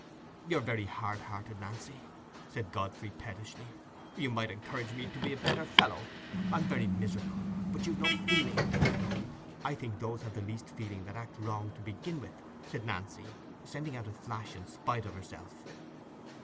"You're very hard hearted, Nancy," said Godfrey, pettishly. "You might encourage me to be a better fellow. I'm very miserable—but you've no feeling." "I think those have the least feeling that act wrong to begin with," said Nancy, sending out a flash in spite of herself.